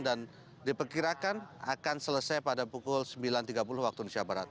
dan diperkirakan akan selesai pada pukul sembilan tiga puluh waktu indonesia barat